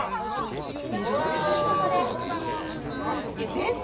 ここで大葉も。